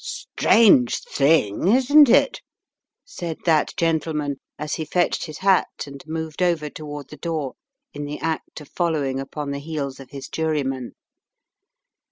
"Strange thing, isn't it?" said that gentleman, as he fetched his hat and moved over toward the door The Twin Scarves 229 in the act of following upon the heels of his jury men.